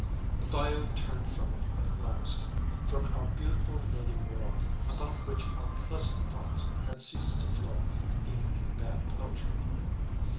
The bayou turned from it at last, from our beautiful lily world about which our pleasant thoughts had ceased to flow even in bad poetry.